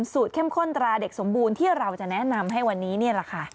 เข้มข้นตราเด็กสมบูรณ์ที่เราจะแนะนำให้วันนี้นี่แหละค่ะ